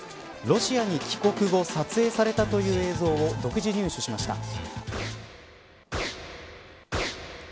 ロシアに帰国後撮影されたという映像を独自入手しました。